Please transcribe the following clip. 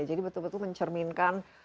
jadi betul betul mencerminkan